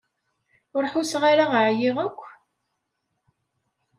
Ur ḥusseɣ ara ɛyiɣ akk.